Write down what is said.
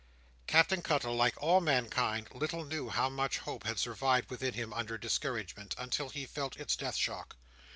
'" Captain Cuttle, like all mankind, little knew how much hope had survived within him under discouragement, until he felt its death shock.